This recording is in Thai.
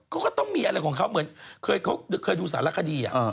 ก็ต้องมีอะไรของเขาเคยดูสารคดี